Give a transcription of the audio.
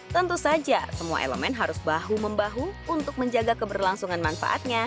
tentu saja semua elemen harus bahu membahu untuk menjaga keberlangsungan manfaatnya